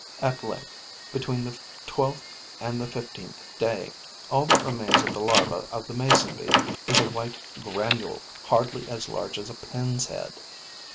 At length, between the twelfth and the fifteenth day, all that remains of the larva of the mason bee is a white granule, hardly as large as a pin's head.